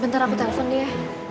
bentar aku telepon dia